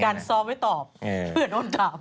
มีการซอมให้ตอบเผื่อโดนตาม